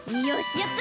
やった！